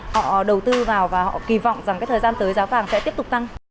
họ đầu tư vào và họ kỳ vọng rằng cái thời gian tới giá vàng sẽ tiếp tục tăng